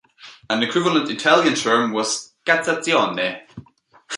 An equivalent Italian term was Cassazione.